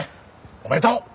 おめでとう！